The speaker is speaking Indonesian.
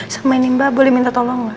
sama ini mba boleh minta tolong mba